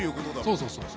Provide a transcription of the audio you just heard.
そうそうそう。